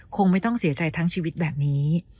คงไม่ต้องเสียใจทั้งชีวิตแบบนี้